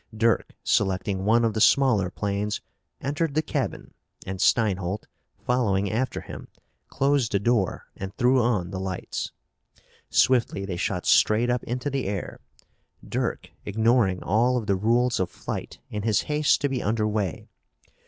Dirk, selecting one of the smaller planes, entered the cabin and Steinholt, following after him, closed the door and threw on the lights. Swiftly they shot straight up into the air, Dirk ignoring all of the rules of flight in his haste to be under way.